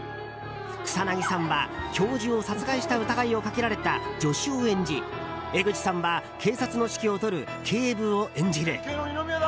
草なぎさんは教授を殺害した疑いをかけられた助手を演じ江口さんは警察の指揮を執る警部を演じる。